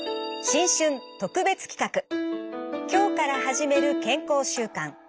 新春特別企画「きょうから始める健康習慣」。